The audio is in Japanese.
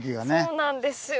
そうなんですよ。